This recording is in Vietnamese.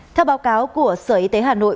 theo báo cáo của sở y tế hà nội